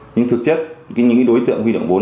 nhưng thực chất những đối tượng huy động vốn